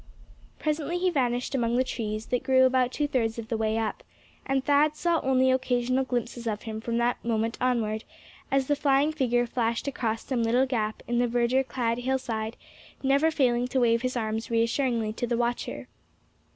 Presently he vanished among the trees that grew about two thirds of the way up, and Thad saw only occasional glimpses of him from that moment onward; as the flying figure flashed across some little gap in the verdure clad hillside; never failing to wave his arms reassuringly to the watcher.